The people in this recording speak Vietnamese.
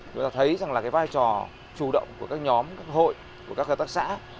chúng ta thấy rằng là cái vai trò chủ động của các nhóm các hội của các hợp tác xã